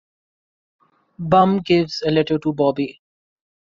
Bum gives a letter to Bobby.